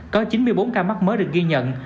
có chín mươi bốn ca mắc mới được ghi nhận